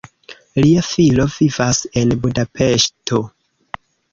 Lia filo vivas en Budapeŝto.